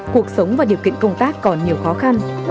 cuộc sống và điều kiện công tác còn nhiều khó khăn